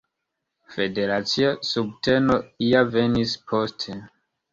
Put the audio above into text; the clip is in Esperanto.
Federacia subteno ja venis poste.